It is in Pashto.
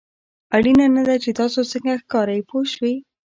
اړینه نه ده چې تاسو څنګه ښکارئ پوه شوې!.